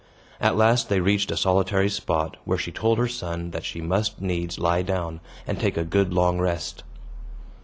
At last they reached a solitary spot, where she told her son that she must needs lie down, and take a good long rest.